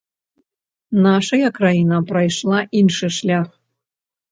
Нашая краіна прайшла іншы шлях.